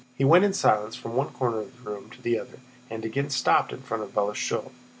He went in silence from one corner of the room to the other and again stopped in front of Balashëv.